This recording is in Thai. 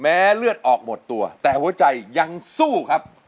เลือดออกหมดตัวแต่หัวใจยังสู้ครับ